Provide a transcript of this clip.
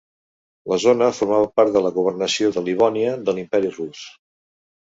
La zona formava part de la governació de Livònia de l'Imperi Rus.